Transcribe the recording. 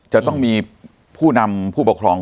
จะต้องมีผู้นำผู้ปกครอง